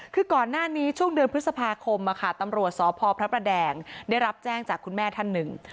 คือก่อนหน้านี้ช่วงเดือนพฤษภาคมตำรวจสพพระประแดงได้รับแจ้งจากคุณแม่ท่านหนึ่ง